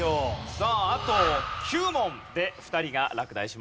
さああと９問で２人が落第します。